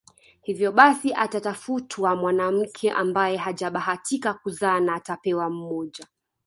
Hivyo basi atatafutwa mwanamke ambaye hajabahatika kuzaa na atapewa mmoja